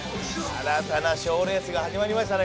新たな賞レースが始まりましたね